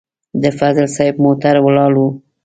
د فضل صاحب موټر ولاړ و.